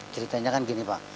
ceritanya kan gini pak